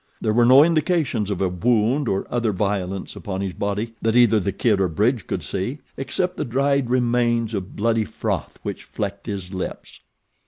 There were no indications of a wound or other violence upon his body, that either the Kid or Bridge could see, except the dried remains of bloody froth which flecked his lips.